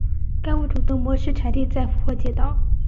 该物种的模式产地在复活节岛。